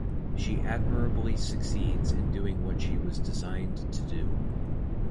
She admirably succeeds in doing what she was designed to do.